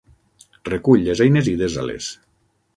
Recull les eines i desa-les.